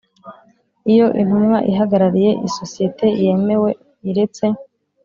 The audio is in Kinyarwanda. Iyo intumwa ihagarariye isosiyete yemewe iretse